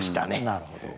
なるほど。